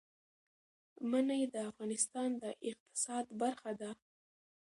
منی د افغانستان د اقتصاد برخه ده.